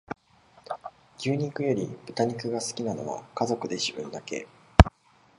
牛肉より豚肉が好きなのは家族で自分だけ